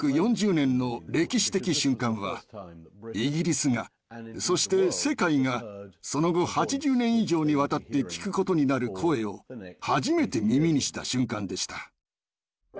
１９４０年の歴史的瞬間はイギリスがそして世界がその後８０年以上にわたって聞くことになる声を初めて耳にした瞬間でした。